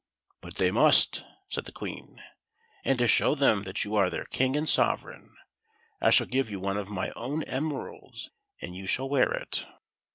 "But they must," said the Queen; "and to show them that you are their King and Sovereign, I shall give you one of my own emeralds, and you shall wear it."